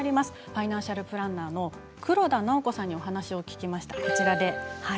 ファイナンシャルプランナーの黒田尚子さんにお話を聞きました。